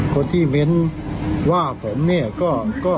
คนที่เบ้นว่าผมเนี่ยก็